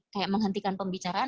kayak menghentikan pembicaraan